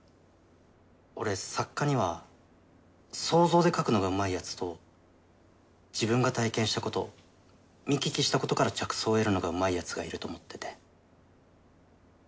俺作家には想像で描くのがうまいヤツと自分が体験したこと見聞きしたことから着想を得るのがうまいヤツがいると思ってて。